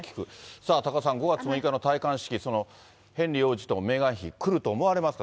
さあ、多賀さん、５月６日の戴冠式、そのヘンリー王子とメーガン妃、来ると思われますか？